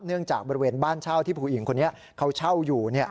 จากบริเวณบ้านเช่าที่ผู้หญิงคนนี้เขาเช่าอยู่